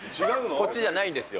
こっちじゃないんですよ。